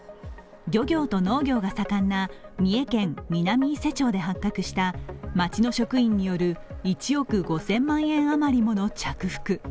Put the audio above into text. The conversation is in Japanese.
漁業と農業が盛んな三重県南伊勢町で発覚した町の職員による１億５０００万円あまりもの着服。